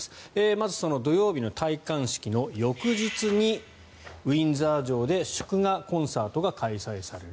まず、土曜日の戴冠式の翌日にウィンザー城で祝賀コンサートが開催される。